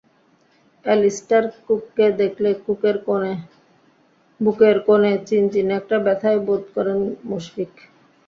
Allister কুককে দেখলে বুকের কোণে চিনচিনে একটা ব্যথাই বোধ করেন মুশফিক।